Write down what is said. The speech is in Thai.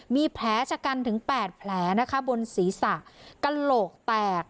มีแผลชะกันถึง๘แผลนะคะบนศีรษะกระโหลกแตก